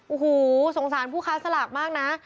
โอ้โหสงสารผู้ค้าสลากมากนะ